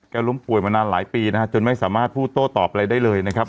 ล้มป่วยมานานหลายปีนะฮะจนไม่สามารถพูดโต้ตอบอะไรได้เลยนะครับ